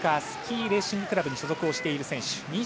スキーレーシングクラブに所属している選手。